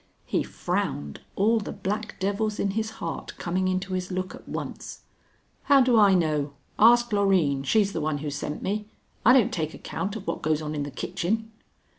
He frowned, all the black devils in his heart coming into his look at once. "How do I know! Ask Loreen; she's the one who sent me. I don't take account of what goes on in the kitchen."